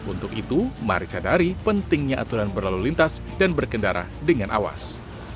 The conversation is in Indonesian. untuk itu mari sadari pentingnya aturan berlalu lintas dan berkendara dengan awas